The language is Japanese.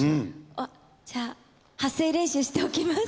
あっじゃあ発声練習しておきます。